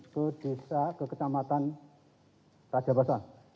ke desa ke kecamatan raja basah